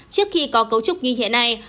trước khi có cấu trúc như thế này